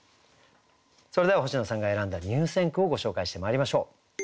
それでは星野さんが選んだ入選句をご紹介してまいりましょう。